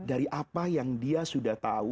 dari apa yang dia sudah tahu